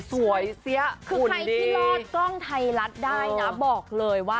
สวยเสียคือใครที่รอดกล้องไทยรัฐได้นะบอกเลยว่า